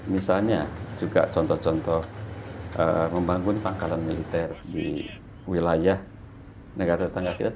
misalnya juga contoh contoh membangun pangkalan militer di wilayah negara tetangga kita